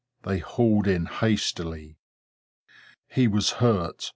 They hauled in hastily. He was hurt.